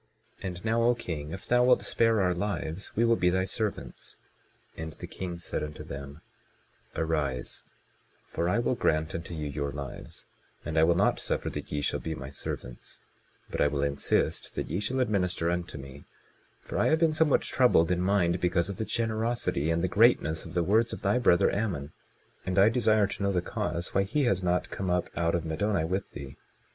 22:3 And now, O king, if thou wilt spare our lives, we will be thy servants. And the king said unto them: Arise, for I will grant unto you your lives, and I will not suffer that ye shall be my servants; but I will insist that ye shall administer unto me; for I have been somewhat troubled in mind because of the generosity and the greatness of the words of thy brother Ammon; and I desire to know the cause why he has not come up out of Middoni with thee.